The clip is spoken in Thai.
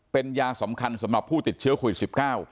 เป็นยาสำคัญสำหรับผู้ติดเชื้อโควิด๑๙